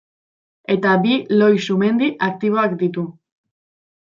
Eta bi lohi-sumendi aktiboak ditu.